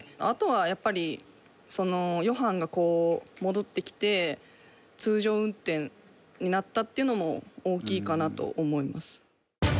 あとは、やっぱりヨハンが戻ってきて通常運転になったっていうのも大きいかなと思います。